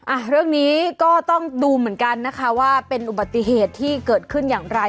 อ่ะเรื่องนี้ก็ต้องดูเหมือนกันนะคะว่าเป็นอุบัติเหตุที่เกิดขึ้นอย่างไร